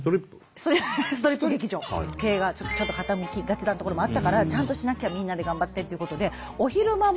経営がちょっと傾きがちなところもあったからちゃんとしなきゃみんなで頑張ってっていうことで。